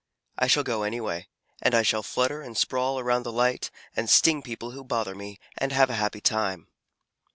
I shall go anyway. And I shall flutter and sprawl around the light, and sting people who bother me, and have a happy time."